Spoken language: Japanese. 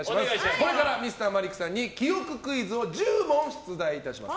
これからＭｒ．マリックさんに記憶クイズを１０問出題いたします。